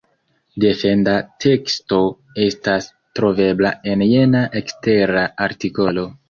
Defenda teksto estas trovebla en jena ekstera artikolo.